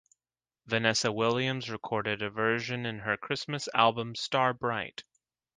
Vanessa Williams recorded a version in her Christmas album Star Bright.